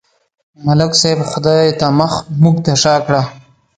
ملک صاحب خدای ته مخ، موږ ته شا کړه.